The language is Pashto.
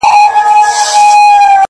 • ټول به دي هېر وي او ما به غواړې ,